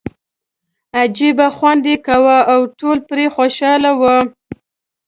عجیبه خوند یې کاوه او ټول پرې خوشاله وو.